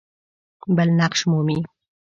بل نقش مومي.